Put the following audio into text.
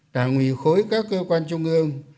đảng ủy khối các cơ quan trung ương